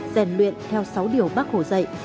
rèn luyện theo sáu điều bác hổ dạy